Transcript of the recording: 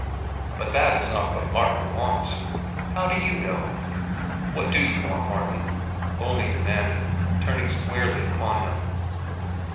"But that is not what Martin wants." "How do you know?" "What do you want, Martin?" Olney demanded, turning squarely upon him.